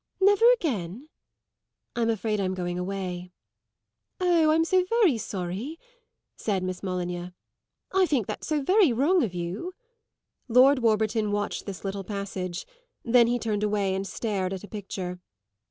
"Never again?" "I'm afraid I'm going away." "Oh, I'm so very sorry," said Miss Molyneux. "I think that's so very wrong of you." Lord Warburton watched this little passage; then he turned away and stared at a picture.